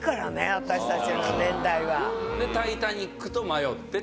で『タイタニック』と迷って。